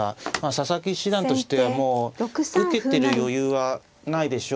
佐々木七段としてはもう受けてる余裕はないでしょう。